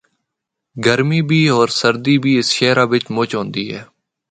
گرمی بھی ہور سردی بھی اس شہرا بچ مچ ہوندی ہے۔